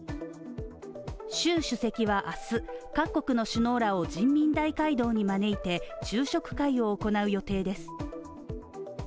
習主席は明日、各国の首脳らを人民大会堂に招いて昼食会を行う予定です。